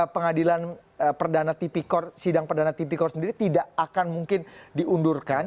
pengadilan perdana sidang perdana tipikor sendiri tidak akan mungkin diundurkan